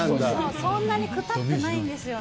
そんなにくたってないんですよね。